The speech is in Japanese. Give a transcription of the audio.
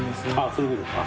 そういうことか。